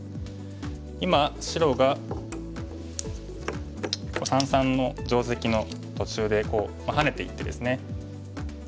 今白が三々の定石の途中でハネていってですね。